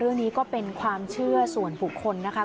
เรื่องนี้ก็เป็นความเชื่อส่วนบุคคลนะคะ